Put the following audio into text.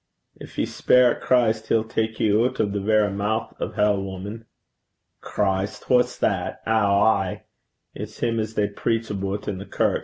'Gin ye speir at Christ, he'll tak ye oot o' the verra mou' o' hell, wuman.' 'Christ! wha's that? Ow, ay! It's him 'at they preach aboot i' the kirks.